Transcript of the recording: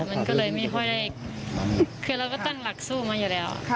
มันก็เลยไม่ค่อยได้คือเราก็ตั้งหลักสู้มาอยู่แล้ว